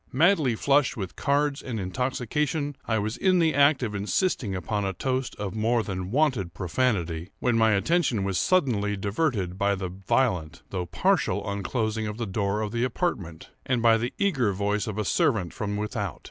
Madly flushed with cards and intoxication, I was in the act of insisting upon a toast of more than wonted profanity, when my attention was suddenly diverted by the violent, although partial unclosing of the door of the apartment, and by the eager voice of a servant from without.